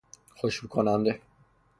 خوشبوکننده